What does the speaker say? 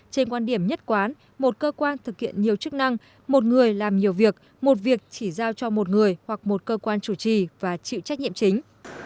trên quan điểm nhất quán một cơ quan thực hiện nhiều chức năng một người làm nhiều việc một việc chỉ giao cho một người hoặc một cơ quan chủ trì và chịu trách nhiệm chính